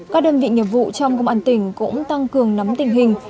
các đơn vị nghiệp vụ trong công an tỉnh cũng tăng cường nắm tình hình